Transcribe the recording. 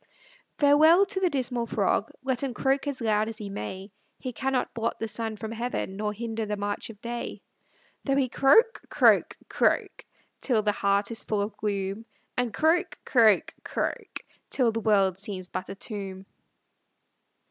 Farewell to the dismal frog; Let him croak as loud as he may, He cannot blot the sun from heaven, Nor hinder the march of day, Though he croak, croak, croak, Till the heart is full of gloom, And croak, croak, croak, Till the world seems but a tomb.